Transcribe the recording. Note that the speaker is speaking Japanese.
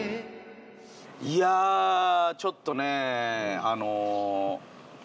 いやちょっとねあの。